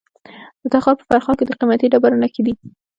د تخار په فرخار کې د قیمتي ډبرو نښې دي.